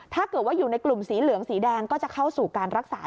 ถ้าเกิดว่าอยู่ในกลุ่มสีเหลืองสีแดงก็จะเข้าสู่การรักษา